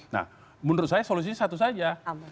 nah menurut saya solusinya satu saja